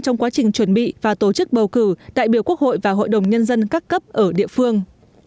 trong quá trình chuẩn bị và tổ chức bầu cử đại biểu quốc hội và hội đồng nhân dân các cấp ở địa phương